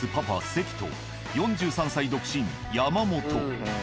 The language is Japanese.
関と４３歳独身山本。